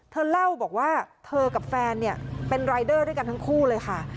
เธอเล่าบอกว่าเธอกับแฟนเนี่ยเป็นรายเดอร์ด้วยกันทั้งคู่เลยค่ะ